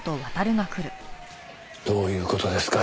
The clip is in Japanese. どういう事ですか？